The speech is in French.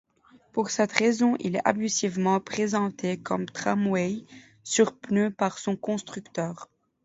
Pour cette raison, il est abusivement présenté comme tramway sur pneus par son constructeur.